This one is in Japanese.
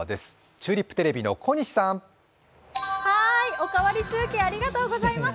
「おかわり中継」です。